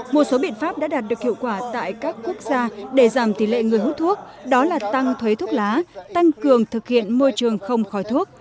một số biện pháp đã đạt được hiệu quả tại các quốc gia để giảm tỷ lệ người hút thuốc đó là tăng thuế thuốc lá tăng cường thực hiện môi trường không khói thuốc